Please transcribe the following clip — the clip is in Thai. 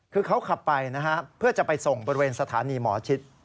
คือเขาขับไปนะฮะเพื่อจะไปส่งบริเวณสถานีหมอชิด